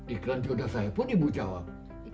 iklan joda saya pun ibu jawab